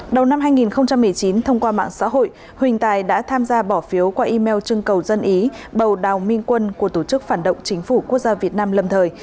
đầu năm hai nghìn một mươi chín thông qua mạng xã hội huỳnh tài đã tham gia bỏ phiếu qua email trưng cầu dân ý bầu đào minh quân của tổ chức phản động chính phủ quốc gia việt nam lâm thời